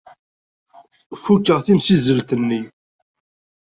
Fukeɣ timsizzelt-nni.